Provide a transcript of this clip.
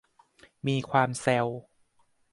มีความแซว